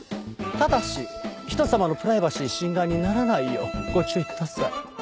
ただし人様のプライバシー侵害にならないようご注意ください。